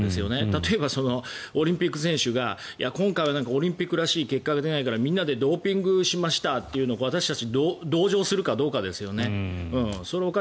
例えば、オリンピック選手が今回はオリンピックらしい結果が出ないからみんなでドーピングしましたというのに私たちが同情するかということですよね。